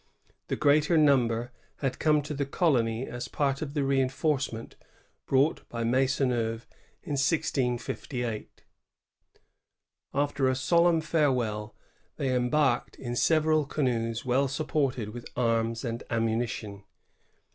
The greater number had come to the colony as part of the reinforcement brought by Maisonneuve in 1658. After a solemn farewell, they embarked in seveial canoes well supplied with arms and ammunition.